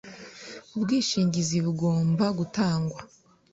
Ubwishingizi bugomba gutangwa.